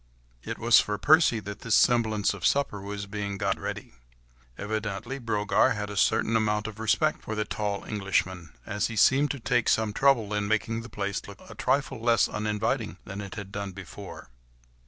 It was for Percy that this semblance of supper was being got ready. Evidently Brogard had a certain amount of respect for the tall Englishman, as he seemed to take some trouble in making the place look a trifle less uninviting than it had done before.